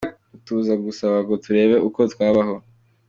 Tuza gusaba ngo turebe uko twabaho.